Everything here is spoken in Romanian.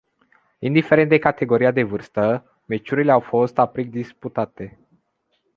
Indiferent de categoria de vârstă, meciurile au fost aprig disputate.